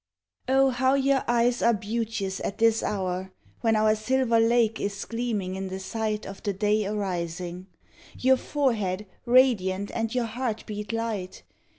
Oh! how your eyes are beauteous at this hour When our silver lake is gleaming in the sight Of the day arising; Your forehead radiant and your heart beat light.